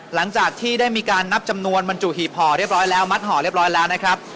หลังจากที่ได้มีการนับจำนวนบรรจุหีบห่อเรียบร้อยแล้วมัดห่อเรียบร้อยแล้วนะครับ